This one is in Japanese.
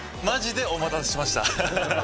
マジでお待たせしました。